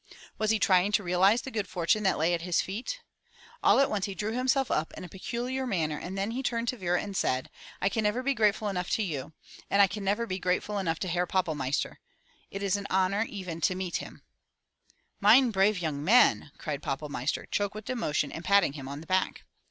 Was he trying to realize the good fortune that lay at his feet? All at once he drew himself up in a peculiar manner, then he turned to Vera and said: I can never be grateful enough to you, and I can never be grateful enough to Herr Pappel meister. It is an honor even to meet him/* "Mein brave young man!'' cried Pappelmeister, choked with emotion and patting him on the back.